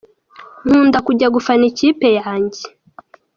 Nkunda kujya gufana ikipe yanjye.